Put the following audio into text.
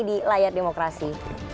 di layar demokrasi